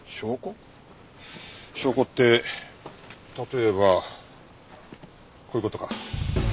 証拠って例えばこういう事か？